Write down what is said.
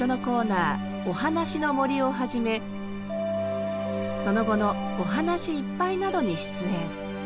「おはなしのもり」をはじめその後の「おはなしいっぱい」などに出演。